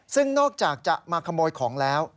ซึ่งนอกจากจะมาขโมยของแล้ว